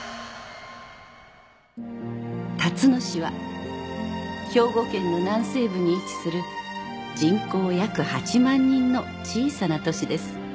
［たつの市は兵庫県の南西部に位置する人口約８万人の小さな都市です］